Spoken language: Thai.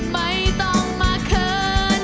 ไม่ต้องมาเขิน